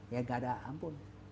ya gak ada ampun